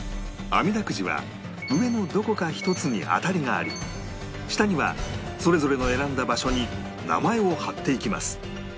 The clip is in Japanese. あみだくじは上のどこか１つに当たりがあり下にはそれぞれの選んだ場所に名前を貼っていきます